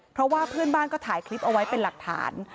เพราะว่าเพื่อนบ้านก็ถ่ายคลิปเอาไว้เป็นหลักฐาน